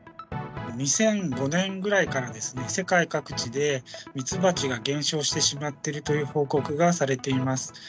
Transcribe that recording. ２００５年ぐらいからですね、世界各地でミツバチが減少してしまっているという報告がされています。